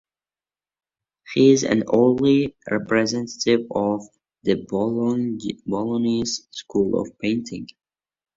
He is an early representative of the Bolognese school of painting.